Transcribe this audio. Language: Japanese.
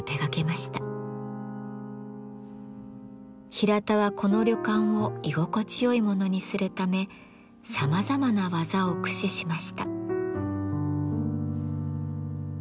平田はこの旅館を居心地よいものにするためさまざまな技を駆使しました。